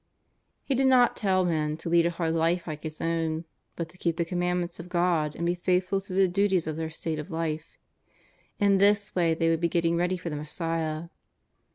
He did not tell men to lead a hard life like his own, but to keep the Commandments of God and be faithful to the duties of their state of life. In this way they would be getting ready for the Messiah.